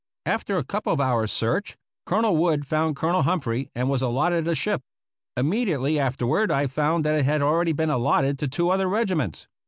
After a couple of hours' search. Colonel Wood found Colonel Humphrey and was allotted a ship. Immediately afterward I found that it had already been allotted to two other regiments.